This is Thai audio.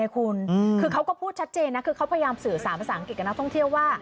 คุณพยายามสื่อสารภาษาอังกฤษนะท่องเที่ยว